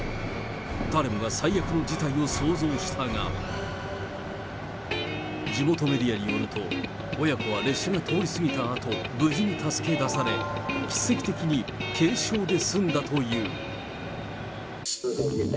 誰もが最悪の事態を想像したが、地元メディアによると、親子は列車が通り過ぎたあと、無事に助け出され、奇跡的に軽傷で済んだという。